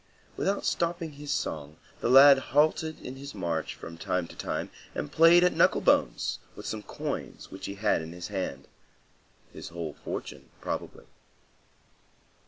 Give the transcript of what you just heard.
Without stopping his song, the lad halted in his march from time to time, and played at knuckle bones with some coins which he had in his hand—his whole fortune, probably.